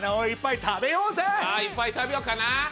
いっぱい食べようかな。